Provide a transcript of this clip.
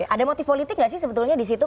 ada motif politik nggak sih sebetulnya disitu